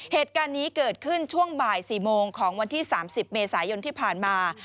เหตุการณ์นี้เกิดขึ้นช่วงบ่าย๔โมงของวันที่๓๐เมษายนที่ผ่านมา